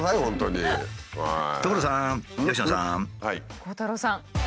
鋼太郎さん。